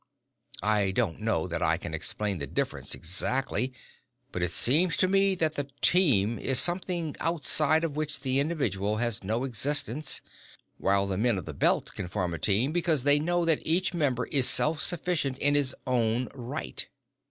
I don't know that I can explain the difference exactly, but it seems to me that the Team is something outside of which the individual has no existence, while the men of the Belt can form a team because they know that each member is self sufficient in his own right.